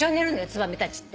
ツバメたちって。